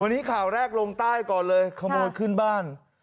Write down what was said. วันนี้ข่าวแรกลงใต้ก่อนเลยขโมยขึ้นบ้าน